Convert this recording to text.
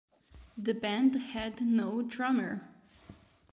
The band had no drummer.